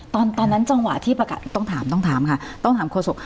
ตอนนั้นจังหวะที่ประกาศต้องถามค่ะต้องถามโครสุก